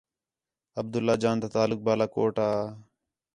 عبداللہ جان تا تعلق بالا کوٹ وا ہے